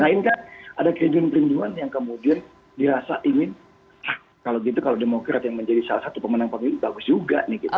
nah ini kan ada kridin kridinan yang kemudian dirasa ingin hah kalau gitu kalau demokrat yang menjadi salah satu pemenang pemenang ini bagus juga nih gitu